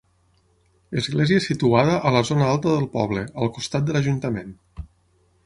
Església situada a la zona alta del poble, al costat de l'ajuntament.